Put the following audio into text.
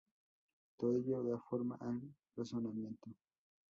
Todo ello da forma al razonamiento.